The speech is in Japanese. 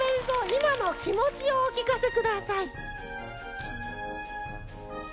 いまのきもちをおきかせください。